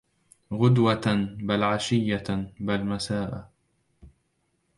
غُدوةً بل عَشيَّةً بل مساءَ